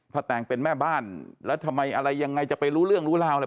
แตงเป็นแม่บ้านแล้วทำไมอะไรยังไงจะไปรู้เรื่องรู้ราวอะไร